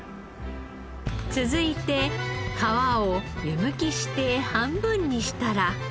続いて皮を湯むきして半分にしたら。